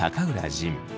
仁。